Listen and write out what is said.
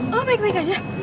lo baik baik aja